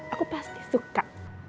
aku pasti suka